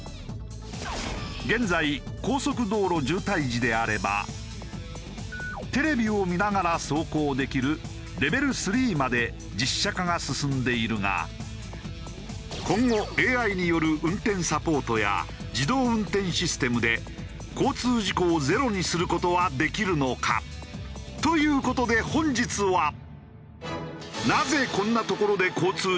現在高速道路渋滞時であればテレビを見ながら走行できるレベル３まで実車化が進んでいるが今後ＡＩによる運転サポートや自動運転システムで交通事故をゼロにする事はできるのか？という事で本日は。